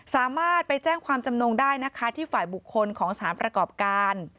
สามารถไปแจ้งความจำนงได้นะคะที่ฝ่ายบุคคลของสถานประกอบการ